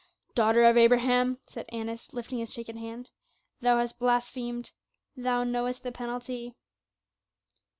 "Daughter of Abraham," said Annas, lifting his shaking hand, "thou hast blasphemed. Thou knowest the penalty."